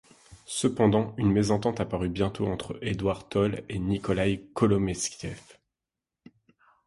Cependant une mésentente apparut bientôt entre Edouard Toll et Nikolaï Kolomeïtsev.